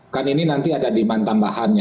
kan ini nanti ada demand tambahannya